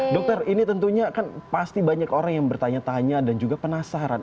dokter ini tentunya kan pasti banyak orang yang bertanya tanya dan juga penasaran